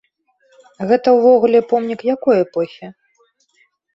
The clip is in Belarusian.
Гэта ўвогуле помнік якой эпохі?